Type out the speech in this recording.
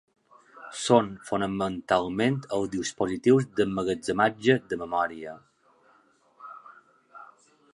Són fonamentalment els dispositius d'emmagatzematge de memòria.